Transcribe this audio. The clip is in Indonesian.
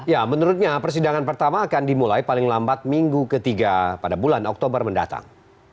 ya menurutnya persidangan pertama akan dimulai paling lambat minggu ketiga pada bulan oktober mendatang